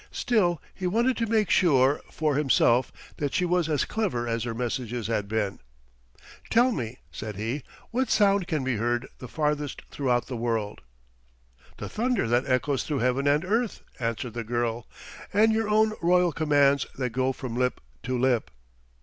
Still he wanted to make sure for himself that she was as clever as her messages had been. "Tell me," said he, "what sound can be heard the farthest throughout the world?" "The thunder that echoes through heaven and earth," answered the girl, "and your own royal commands that go from lip to lip."